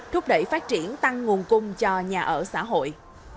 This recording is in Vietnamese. triển tăng nguồn cung cho nhà ở xã hội